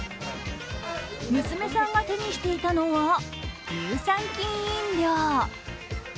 娘さんが手にしていたのは乳酸菌飲料。